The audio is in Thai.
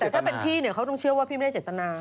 แต่ถ้าเป็นพี่เนี่ยเขาต้องเชื่อว่าพี่ไม่ได้เจตนา